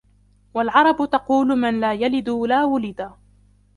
وَالْعَرَبُ تَقُولُ مَنْ لَا يَلِدُ لَا وُلِدَ